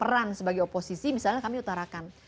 peran sebagai oposisi misalnya kami utarakan